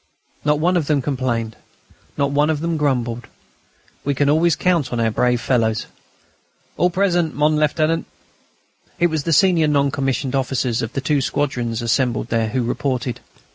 Not one of them complained; not one of them grumbled. We can always count on our brave fellows. "All present, mon Lieutenant!" It was the senior non commissioned officers of the two squadrons assembled there who reported.